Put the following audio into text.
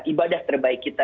ibadah terbaik kita